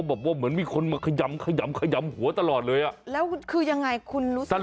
บอกว่าเหมือนมีคนมาขยำขยำขยำหัวตลอดเลยอ่ะแล้วคือยังไงคุณรู้สึก